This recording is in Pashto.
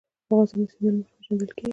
افغانستان د سیندونه له مخې پېژندل کېږي.